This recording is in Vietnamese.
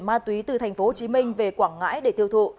vận chuyển ma túy từ thành phố hồ chí minh về quảng ngãi để thiêu thụ